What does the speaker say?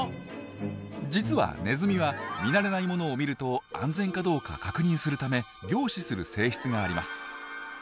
実はネズミは見慣れないものを見ると安全かどうか確認するため凝視する性質があります。